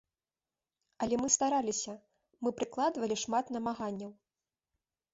Але мы стараліся, мы прыкладвалі шмат намаганняў.